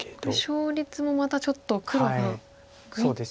勝率もまたちょっと黒がグイッと。